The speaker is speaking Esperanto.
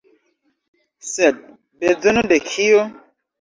Sed, bezono de kio?